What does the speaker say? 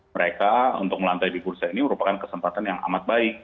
mereka untuk melantai di bursa ini merupakan kesempatan yang amat baik